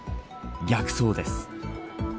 逆走です。